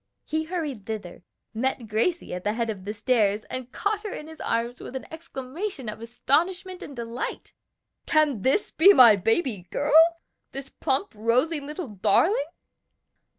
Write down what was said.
He hurried thither, met Gracie at the head of the stairs, and caught her in his arms with an exclamation of astonishment and delight. "Can this be my baby girl? this plump, rosy little darling?"